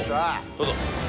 どうぞ。